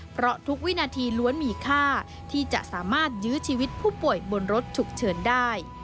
เพราะทุกวินาทีล้วนมีค่าที่จะสามารถยื้อชีวิตผู้ป่วยบนรถฉุกเฉินได้